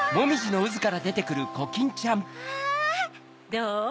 どう？